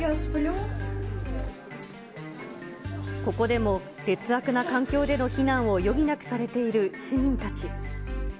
ここでも、劣悪な環境での避難を余儀なくされている市民たち。